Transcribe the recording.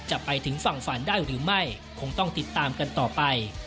ไปถึงฝั่งฝันได้หรือไม่คงต้องติดตามกันต่อไป